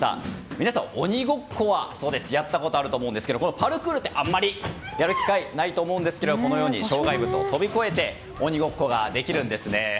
皆さん、鬼ごっこはやったことあると思うんですがパルクールってあまりやる機会ないと思うんですが障害物を飛び越えて鬼ごっこができるんです。